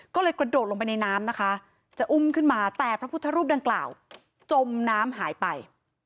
ก็เลยกระโดดลงไปในน้ำนะคะจะอุ้มขึ้นมาแต่พระพุทธรูปดังกล่าวจมน้ำหายไป